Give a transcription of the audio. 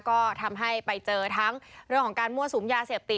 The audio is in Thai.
ก็ทำให้ไปเจอทั้งเรื่องของการมั่วสุมยาเสพติด